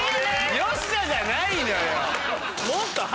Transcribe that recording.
「よっしゃ」じゃないのよ。